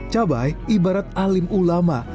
cabai ibarat alim ulama